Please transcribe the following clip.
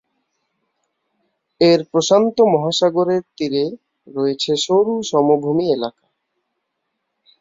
এর প্রশান্ত মহাসাগরের তীরে রয়েছে সরু সমভূমি এলাকা।